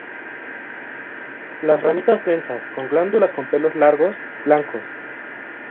Las ramitas densas con glándulas con pelos largos, blancos.